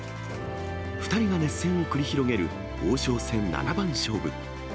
２人が熱戦を繰り広げる王将戦七番勝負。